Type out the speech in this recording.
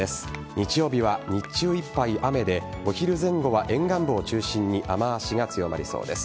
日曜日は日中いっぱい雨でお昼前後は沿岸部を中心に雨脚が強まりそうです。